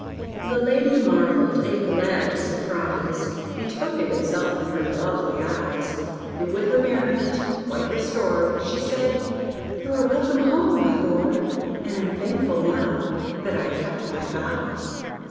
The lady marvelled a glad surprise Betokened itself in her lovely eyes; And with her merriment quite restored, She said, "You are welcome home, my lord; And I'm thankful, now, That I kept my vow."